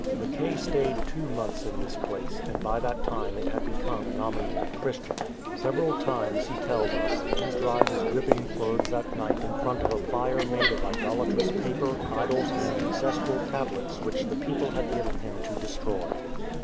Mac kay stayed two months in this place, and by that time it had become nominally Christian. Several times, he tells us, he dried his dripping clothes at night in front of a fire made of idolatrous paper, idols, and ancestral tablets which the people had given him to destroy.